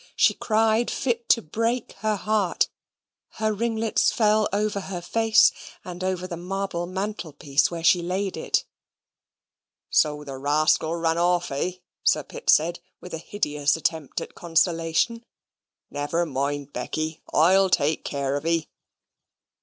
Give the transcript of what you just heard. She cried fit to break her heart; her ringlets fell over her face, and over the marble mantelpiece where she laid it. "So the rascal ran off, eh?" Sir Pitt said, with a hideous attempt at consolation. "Never mind, Becky, I'LL take care of 'ee."